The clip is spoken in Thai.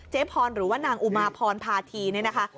พรหรือว่านางอุมาพรพาธีเนี่ยนะคะ